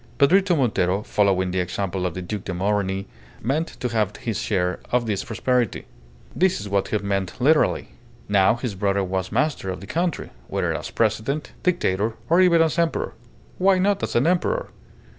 Pedrito Montero, following the example of the Duc de Morny, meant to have his share of this prosperity. This is what he meant literally. Now his brother was master of the country, whether as President, Dictator, or even as Emperor why not as an Emperor?